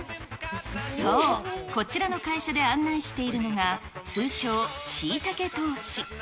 そう、こちらの会社で案内しているのが、通称、しいたけ投資。